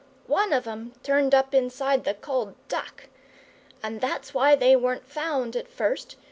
One of 'em turned up inside the cold duck. And that's why they weren't found at first.